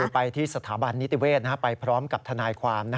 ไปที่สถาบันนิติเวศไปพร้อมกับทนายความ